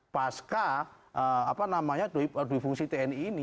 pasca apa namanya duit fungsi tni ini